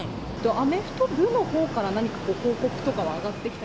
アメフト部のほうから何か報告とかは上がってきてる？